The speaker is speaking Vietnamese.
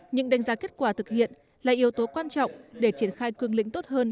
nhưng đánh giá kết quả thực hiện là yếu tố quan trọng để triển khai cương lĩnh tốt hơn